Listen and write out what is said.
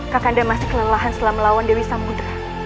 kakak anda masih kelelahan setelah melawan dewi samudera